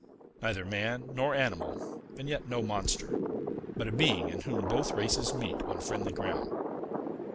Neither man nor animal, and yet no monster, but a being in whom both races meet on friendly ground.